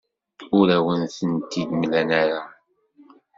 Ur awen-tent-id-mlan ara.